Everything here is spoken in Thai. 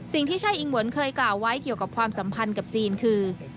สิ่งที่ช่ายอิงหวนเคยกล่าวไว้เกี่ยวกับความสัมพันธ์กับจีนคือ